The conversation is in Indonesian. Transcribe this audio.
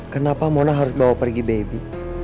kenapa mona harus bawa pergi baby